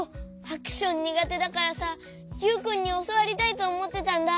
アクションにがてだからさユウくんにおそわりたいとおもってたんだ。